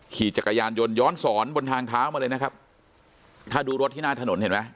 ขี่จักรยานยนต์ย้อนสอนบนทางเท้ามาเลยนะครับถ้าดูรถที่หน้าถนนเห็นไหม